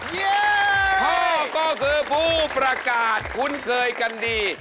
พ่อก็คือผู้ประกาศคุ้นเคยกันดี